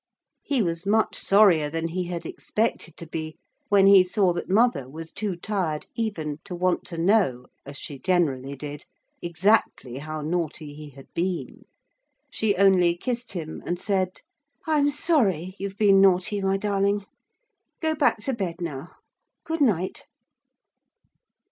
He was much sorrier than he had expected to be when he saw that mother was too tired even to want to know, as she generally did, exactly how naughty he had been. She only kissed him, and said: 'I am sorry you've been naughty, my darling. Go back to bed now. Good night.'